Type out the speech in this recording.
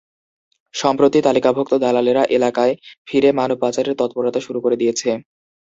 সম্প্রতি তালিকাভুক্ত দালালেরা এলাকায় ফিরে মানব পাচারের তৎপরতা শুরু করে দিয়েছে।